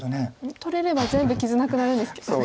取れれば全部傷なくなるんですけどね。